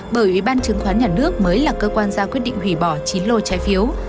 bởi ủy ban chứng khoán nhà nước mới là cơ quan ra quyết định hủy bỏ chín lô trái phiếu